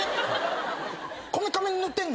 こめかみに塗ってんの？